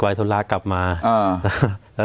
อุ้มิทัศน์มันก็มองรถนี่